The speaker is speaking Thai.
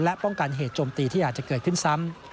และป้องกันเหตุโจมตีที่อาจจะเกิดขึ้นซ้ำ